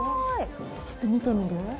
ちょっと見てみる？